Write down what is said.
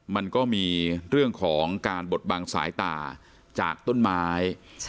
มันก็มีเรื่องของการบดบังสายตาจากต้นไม้